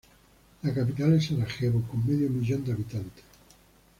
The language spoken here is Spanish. La capital es Sarajevo, con medio millón de habitantes.